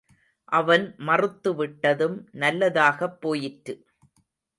அவன் மறுத்துவிட்டதும் நல்லதாகப் போயிற்று.